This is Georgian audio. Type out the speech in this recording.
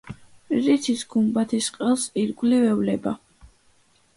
რითიც გუმბათის ყელს ირგვლივ ევლება.